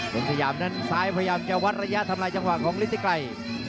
เป็นสยามด้านซ้ายพยายามจะวัดระยะทำลายจังหวะของฤทธิไกร